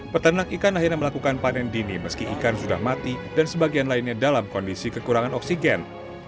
peternak ikan akhirnya melakukan panen dini meski ikan sudah mati dan sebagian lainnya dalam kondisi kekurangan oksigen